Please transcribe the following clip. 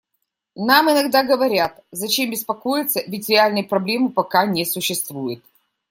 Нам иногда говорят: зачем беспокоиться, ведь реальной проблемы пока не существует.